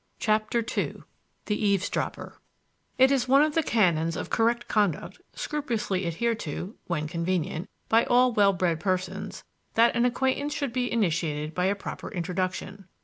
CHAPTER II THE EAVESDROPPER It is one of the canons of correct conduct, scrupulously adhered to (when convenient) by all well bred persons, that an acquaintance should be initiated by a proper introduction.